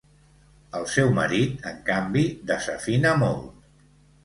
El seu marit, en canvi, desafina molt.